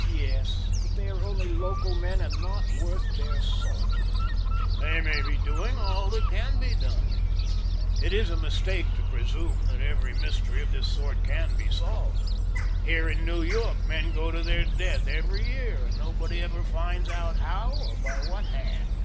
"Yes, but they are only local men and not worth their salt." "They may be doing all that can be done. It is a mistake to presume that every mystery of this sort can be solved. Here in New York men go to their death every year and nobody ever finds out how, or by what hand."